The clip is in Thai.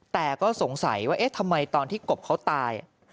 แต่ก็สงสัยว่าเอ๊ะทำไมตอนที่กบเขาตาย